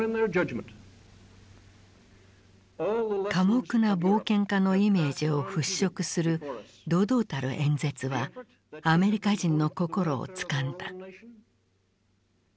「寡黙な冒険家」のイメージを払拭する堂々たる演説はアメリカ人の心をつかんだ。